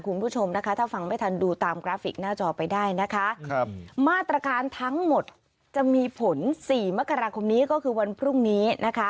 คุณผู้ชมนะคะถ้าฟังไม่ทันดูตามกราฟิกหน้าจอไปได้นะคะครับมาตรการทั้งหมดจะมีผลสี่มกราคมนี้ก็คือวันพรุ่งนี้นะคะ